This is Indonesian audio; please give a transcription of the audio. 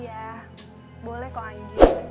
iya boleh kok anggi